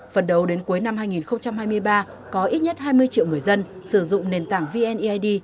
phần đầu đến cuối năm hai nghìn hai mươi ba có ít nhất hai mươi triệu người dân sử dụng nền tảng vneid